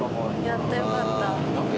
やったよかった。